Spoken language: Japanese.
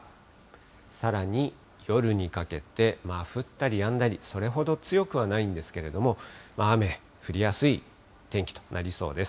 さらに夜にかけて、降ったりやんだり、それほど強くはないんですけれども、雨、降りやすい天気となりそうです。